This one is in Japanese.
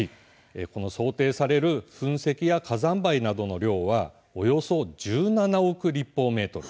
想定される噴石や火山灰などの量はおよそ１７億立方メートル。